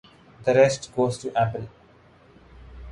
The rest goes to Apple.